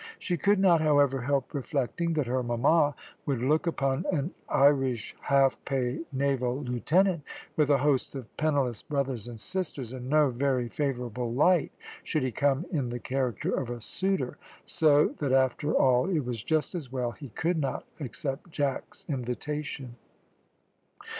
She could not, however, help reflecting that her mamma would look upon an Irish half pay naval lieutenant, with a host of penniless brothers and sisters, in no very favourable light, should he come in the character of a suitor, so that after all it was just as well he could not accept Jack's invitation.